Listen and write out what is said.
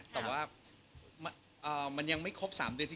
แต่ว่ามันยังไม่ครบ๓เดือน